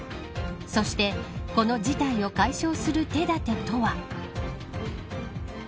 そして、この事態を解消する手だてとは。